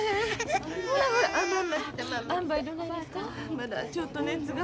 まだちょっと熱が。